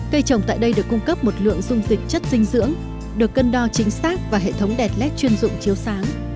cây trồng tại đây được cung cấp một lượng dung dịch chất dinh dưỡng được cân đo chính xác và hệ thống đèn led chuyên dụng chiếu sáng